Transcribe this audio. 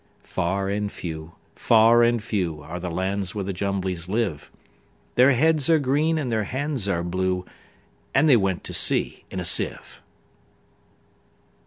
Far and few, far and few, Are the lands where the Jumblies live:Their heads are green, and their hands are blue; And they went to sea in a sieve.